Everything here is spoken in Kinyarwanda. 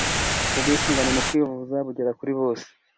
Ubwisungane mukwivuza bugera kuribose